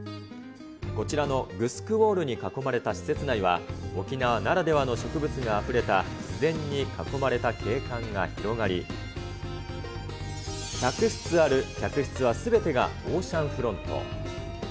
こちらのグスクウォールに囲まれた施設内は、沖縄ならではの植物があふれた、自然に囲まれた景観が広がり、１００室ある客室はすべてがオーシャンフロント。